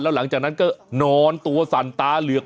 หลังจากนั้นก็นอนตัวสั่นตาเหลือก